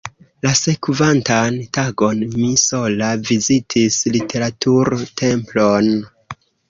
La sekvantan tagon mi sola vizitis Literatur-Templon.